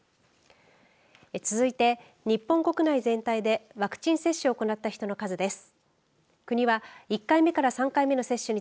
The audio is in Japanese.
続いて、日本国内全体でワクチン接種を行った人の数です。